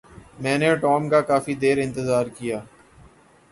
میں نے ٹام کا کافی دیر انتظار کیا۔